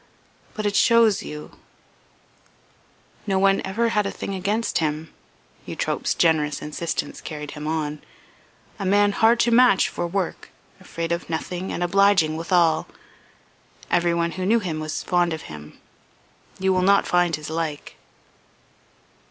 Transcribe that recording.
But it shows you ..." "No one ever had a thing against him." Eutrope's generous insistence carried him on. "A man hard to match for work, afraid of nothing and obliging withal. Everyone who knew him was fond of him. You will not find his like."